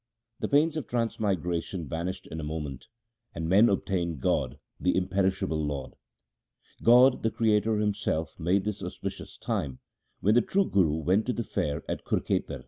The pains of transmigration vanished in a moment, and men obtained God the imperishable Lord. God the Creator Himself made this auspicious time, when the true Guru went to the fair at Kurkhetar.